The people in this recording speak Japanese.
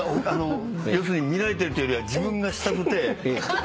要するに見られてるというよりは自分がしたくて。